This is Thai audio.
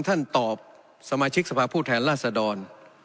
ท่านตอบสมาชิกสภาพผู้แทนราชดร